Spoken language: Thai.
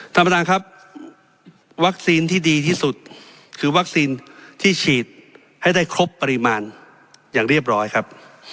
ท่านประธานครับวัคซีนที่ดีที่สุดคือวัคซีนที่ฉีดให้ได้ครบปริมาณอย่างเรียบร้อยครับ